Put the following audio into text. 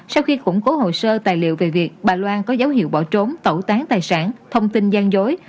sau khi củng cố hồ sơ tài liệu về việc bà loan có dấu hiệu bỏ trốn tẩu tán tài sản thông tin gian dối